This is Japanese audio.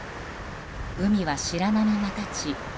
海は白波が立ち。